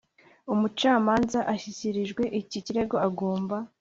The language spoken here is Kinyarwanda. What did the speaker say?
Umucamanza ushyikirijwe iki kirego agomba